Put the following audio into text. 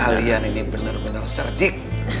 kalian ini bener bener cerdik